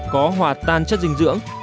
có hòa tan chất dinh dưỡng